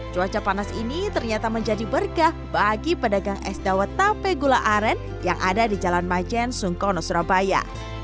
cuaca panas ini ternyata menjadi berkah bagi pedagang es dawet tape gula aren yang ada di jalan majen sungkono surabaya